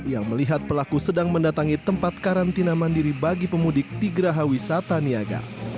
yang melihat pelaku sedang mendatangi tempat karantina mandiri bagi pemudik di geraha wisata niaga